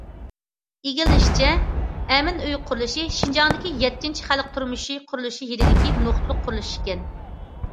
ئىگىلىنىشىچە، ئەمىن ئۆي قۇرۇلۇشى شىنجاڭدىكى يەتتىنچى خەلق تۇرمۇشى قۇرۇلۇشى يىلىدىكى نۇقتىلىق قۇرۇلۇش ئىكەن.